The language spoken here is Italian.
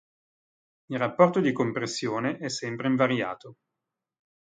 Il rapporto di compressione è sempre invariato.